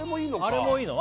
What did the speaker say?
あれもいいの？